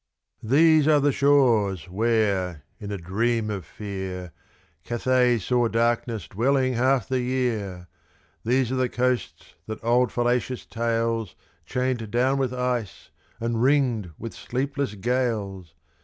These are the shores, where, in a dream of fear, Cathay saw darkness dwelling half the year!*1* These are the coasts that old fallacious tales Chained down with ice and ringed with sleepless gales!